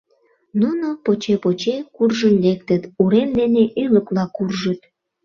Нуно поче-поче куржын лектыт, урем дене ӱлыкыла куржыт.